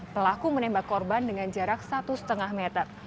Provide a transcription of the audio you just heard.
pelaku menembak korban dengan jarak satu lima meter